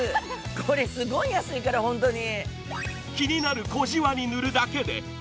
これすごい安いから、ホントに。